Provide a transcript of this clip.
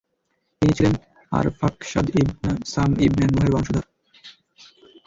ইনি ছিলেন আরফাখশাদ ইবন সাম ইবন নূহের বংশধর।